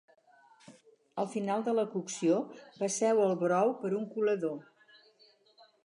Al final de la cocció passeu el brou per un colador